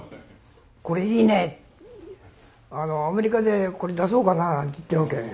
「これいいねアメリカでこれ出そうかな」なんて言ってるわけ。